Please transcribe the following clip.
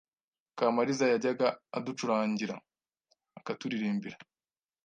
Kamaliza yajyaga aducurangira, akaturirimbira